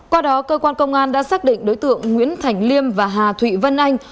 qua đó cơ quan công an đã xác định đối tượng nguyễn thành liêm và hà thụy vân anh